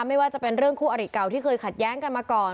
ไม่ว่าจะเป็นเรื่องคู่อริเก่าที่เคยขัดแย้งกันมาก่อน